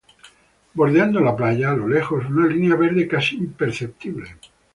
Bordeando la playa, a lo lejos una línea verde casi imperceptible.